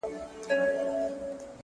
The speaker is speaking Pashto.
لړۍ د اوښکو ګريوانه ته تلله،